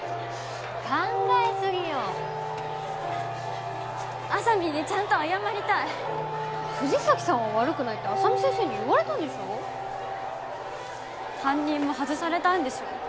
考えすぎよあさみんにちゃんと謝りたい藤崎さんは悪くないって浅見先生に言われたんでしょ担任も外されたんでしょ？